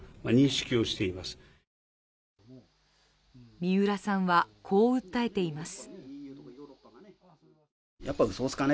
三浦さんは、こう訴えています。